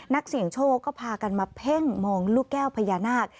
นักเสี่ยงโชคก็พากันมาเพ่งมองลูกแก้วพญานาค